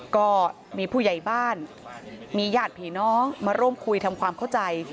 ก็มีผู้ใหญ่บ้านมีญาติผีน้องมาร่วมคุยทำความเข้าใจ